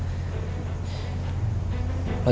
dia juga bersama saya